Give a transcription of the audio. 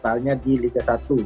soalnya di liga satu